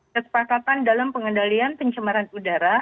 kesepakatan dalam pengendalian pencemaran udara